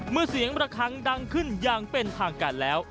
เมื่อเสียงระคังดังขึ้นอย่างเป็นทางการแล้ว